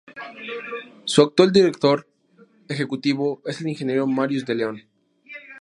Su actual director ejecutivo es el Ingeniero Marius de Leon.